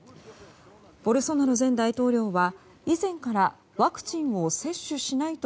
ボルソナロ前大統領は、以前からワクチンを接種しないと